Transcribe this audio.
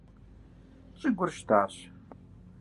Щӏыгур щтащ.